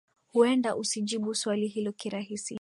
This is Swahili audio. huenda usijibu swali hilo kirahisi